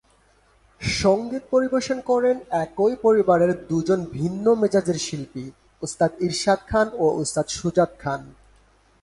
সঙ্গীত পরিবেশন করেন একই পরিবারের দুজন ভিন্ন মেজাজের শিল্পী উস্তাদ ইরশাদ খান ও উস্তাদ সুজাত খান।